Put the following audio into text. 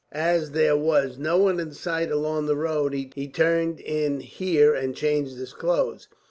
As there was no one in sight along the road, he turned in here and changed his clothes.